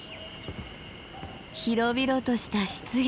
広々とした湿原！